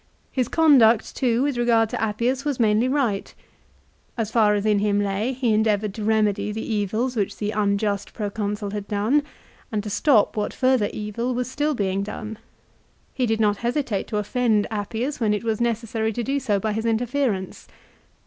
His conduct, too, with regard to Appius was mainly right. As far as in him lay he endeavoured to remedy the evils which the unjust Pro consul had done, and to stop what further evil was still being done. He did not hesitate to offend Appius when it was necessary to do so by his interference.